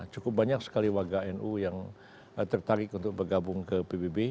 cukup banyak sekali warga nu yang tertarik untuk bergabung ke pbb